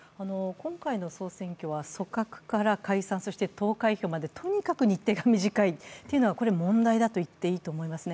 今回の総選挙は組閣から解散、投開票までとにかく日程が短いというのが問題だと言っていいと思いますね。